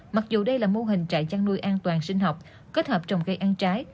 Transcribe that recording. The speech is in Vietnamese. mặc dù đây là mô hình trại chăn nuôi an toàn sinh học kết hợp trồng cây ăn trái